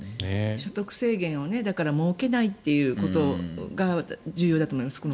所得制限を設けないということが重要だと思います。